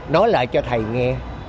nói lại cho thầy nghe